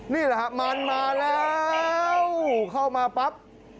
นี่แหละครับมันมาแล้วเข้ามาปั๊บ